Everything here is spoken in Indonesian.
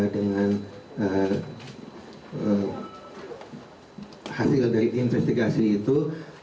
dengan hasil dari investigasi itu